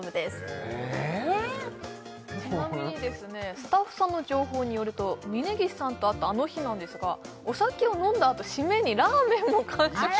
スタッフさんの情報によると峯岸さんと会ったあの日なんですがお酒を飲んだあと締めにラーメンも完食したそうです